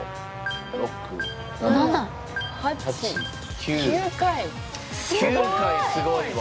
９回すごいわ。